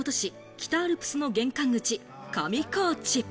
北アルプスの玄関口・上高地。